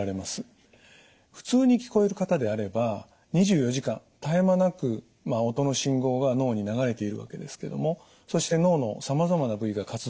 普通に聞こえる方であれば２４時間絶え間なく音の信号が脳に流れているわけですけどもそして脳のさまざまな部位が活動します。